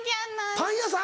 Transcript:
パン屋さん？